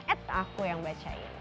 et aku yang bacain